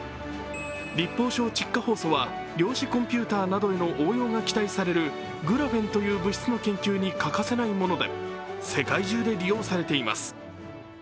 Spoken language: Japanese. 立法窒化ホウ素は量子コンピューターなどへの応用が期待されるグラフェンという物質の研究に欠かせないもので世界中で利用されています。